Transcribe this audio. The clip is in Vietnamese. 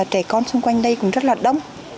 trẻ con xung quanh đây cũng rất là đông